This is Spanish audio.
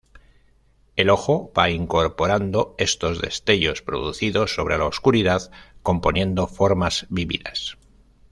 El ojo va incorporando estos destellos producidos sobre la oscuridad, componiendo formas vividas.